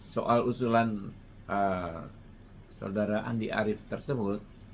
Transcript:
soal usulan saudara andi arief tersebut